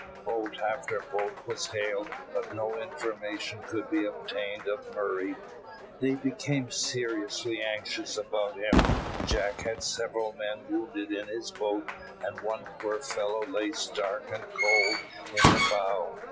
Boat after boat was hailed, but no information could be obtained of Murray. They became seriously anxious about him. Jack had several men wounded in his boat, and one poor fellow lay stark and cold in the bow.